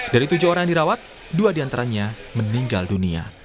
dari tujuh orang yang dirawat dua diantaranya meninggal dunia